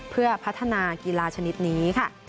เพื่อพัฒนากีฬาชนิดนี้ค่ะ